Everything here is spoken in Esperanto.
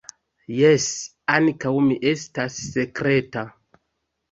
Jes, ankaŭ mi estas sekreta.